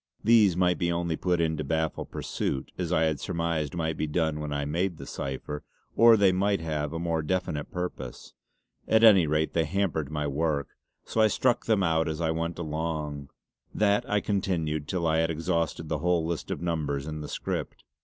These might be only put in to baffle pursuit, as I had surmised might be done when I made the cipher; or they might have a more definite purpose. At any rate they hampered my work, so I struck them out as I went along. That I continued till I had exhausted the whole list of numbers in the script.